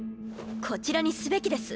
こちらにすべきです。